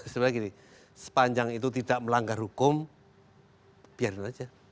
sebenarnya gini sepanjang itu tidak melanggar hukum biarin aja